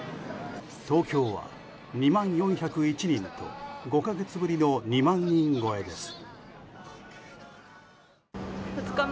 東京は２万４０１人と５か月ぶりの２万人超えです。